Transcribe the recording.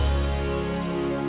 bangungsan terplatz berdampak